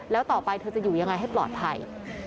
แล้วต่อไปเธอจะอยู่ยังไงให้ปลอดภัย